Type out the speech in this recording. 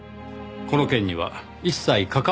この件には一切関わるなと。